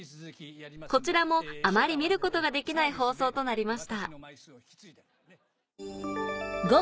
こちらもあまり見ることができない放送となりました